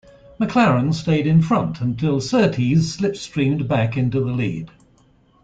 McLaren stayed in front until Surtees slipstreamed back into the lead.